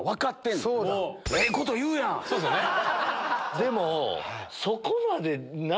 でも。